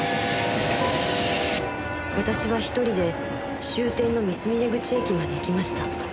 私は１人で終点の三峰口駅まで行きました。